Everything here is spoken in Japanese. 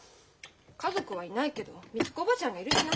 家族はいないけどみつ子叔母ちゃんがいるじゃない。